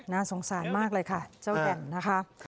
สงสารมากเลยค่ะเจ้าแก่นนะคะ